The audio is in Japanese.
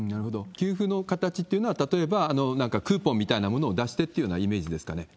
給付の形というのは例えばなんかクーポンみたいなものを出してっていうようなイメージですかね。